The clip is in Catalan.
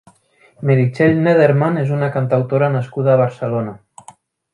Meritxell Neddermann és una cantautora nascuda a Barcelona.